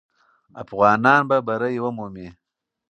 افغانان به بری ومومي.